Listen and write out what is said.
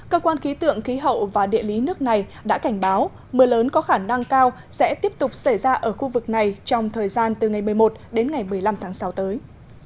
cơ quan khí tượng khí hậu và địa lý nước này đã cảnh báo mưa lớn có khả năng cao sẽ tiếp tục xảy ra ở khu vực này trong thời gian từ ngày một mươi một đến ngày một mươi năm tháng sáu tới